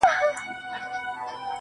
هينداره و هيندارې ته ولاړه ده حيرانه,